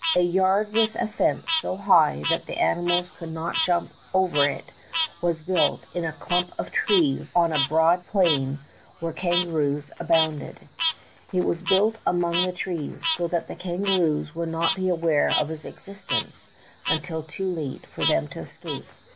A yard with a fence so high that the animals could not jump over it was built in a clump of trees on a broad plain where kangaroos abounded ; it was built among the trees, so that the kangaroos would not be aware of its existence until too late for them to escape.